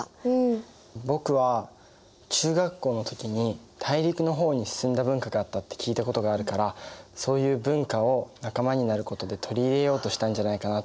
僕は中学校の時に大陸の方に進んだ文化があったって聞いたことがあるからそういう文化を仲間になることで取り入れようとしたんじゃないかなって思うな。